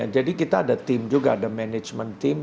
jadi kita ada team juga ada management team